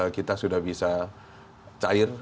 kita sudah bisa cair